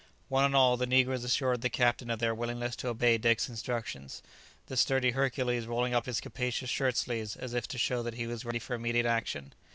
One and all, the negroes assured the captain of their willingness to obey Dick's instructions, the sturdy Hercules rolling up his capacious shirt sleeves as if to show that he was ready for immediate action.